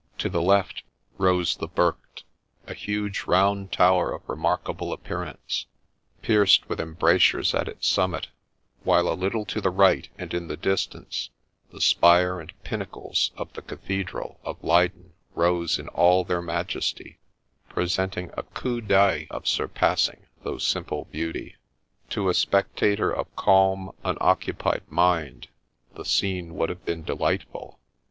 To the left rose the Burght, a huge round tower of remarkable appearance, pierced with embrasures at its summit ; while a little to the right and in the distance, the spire and pinnacles of the Cathedral of Leyden rose in all their majesty, presenting a coup d'ceil of surpassing though simple beauty. To a spectator of calm, unoccupied mind, the scene would have been delightful.